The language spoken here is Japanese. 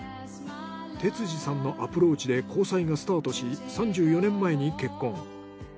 哲司さんのアプローチで交際がスタートし３４年前に結婚。